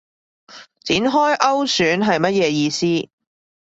展開勾選係乜嘢意思